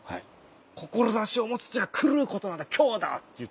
「志を持つというのは狂うことなんだ狂だ」って言って。